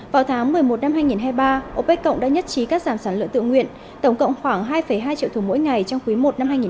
vào tháng một mươi một năm hai nghìn hai mươi ba opec cộng đã nhất trí cắt giảm sản lượng tự nguyện tổng cộng khoảng hai hai triệu thùng mỗi ngày trong quý i năm hai nghìn hai mươi bốn